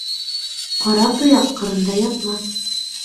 Ҡара тояҡ ҡарында ятмаҫ.